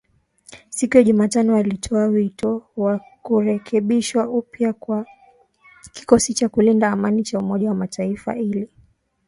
Siku ya Jumatano alitoa wito wa kurekebishwa upya kwa kikosi cha kulinda amani cha Umoja wa Mataifa ili kuwalinda raia dhidi ya unyanyasaji kutoka pande zote katika mzozo